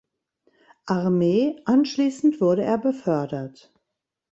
Armee; anschließend wurde er befördert.